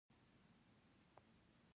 د نجونو تعلیم د ښځو باور زیاتولو مرسته ده.